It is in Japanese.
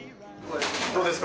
どうですか？